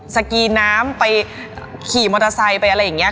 สกีน้ำไปขี่มอเตอร์ไซค์ไปอะไรอย่างนี้